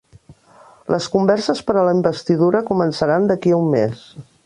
Les converses per a la investidura començaran d'aquí a un mes